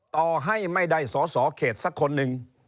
ต่อให้ไม่ได้สอสอเขตสักคนหนึ่ง